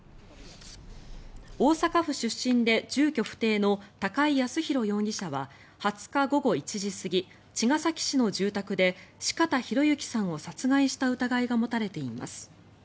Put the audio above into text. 大阪府出身で住居不定の高井靖弘容疑者は２０日午後１時過ぎ茅ヶ崎市の住宅で四方洋行さんを殺害した疑いが持たれています。